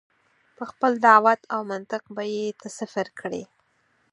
په خپل دعوت او منطق به یې ته صفر کړې.